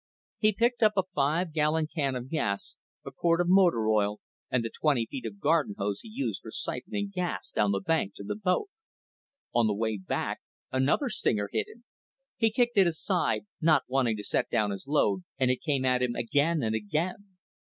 He picked up a five gallon can of gas, a quart of motor oil, and the twenty feet of garden hose he used for siphoning gas down the bank to the boat. On the way back, another stinger hit him. He kicked it aside, not wanting to set down his load, and it came at him again and again.